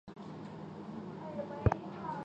这一地区的天气一般是寒冷而潮湿的。